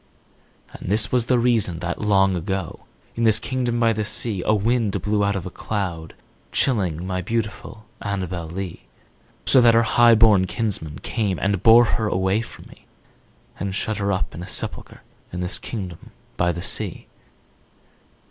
And this was the reason that, long ago, In this kingdom by the sea, A wind blew out of a cloud, chilling My beautiful Annabel Lee; So that her highborn kinsman came And bore her away from me, To shut her up in a sepulchre In this kingdom by the sea.